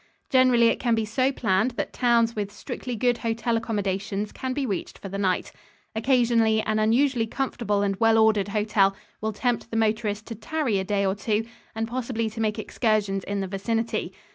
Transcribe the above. Generally it can be so planned that towns with strictly good hotel accommodations can be reached for the night. Occasionally an unusually comfortable and well ordered hotel will tempt the motorist to tarry a day or two and possibly to make excursions in the vicinity.